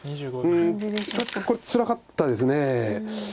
うんちょっとこれつらかったです。